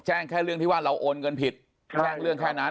แจ้งแค่เรื่องที่ว่าเราโอนเงินผิดแจ้งเรื่องแค่นั้น